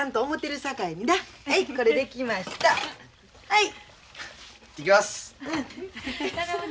はい。